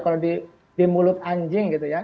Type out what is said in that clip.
kalau di mulut anjing gitu ya